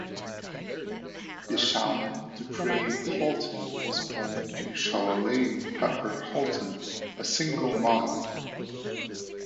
DeShaun Dupree Holton was born to Sharallene "Pepper" Holton, a single mother.